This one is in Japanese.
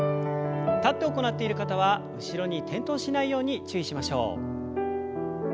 立って行っている方は後ろに転倒しないように注意しましょう。